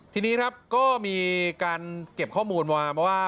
ทีนี้ครับก็มีการเก็บข้อมูลมาเพราะว่า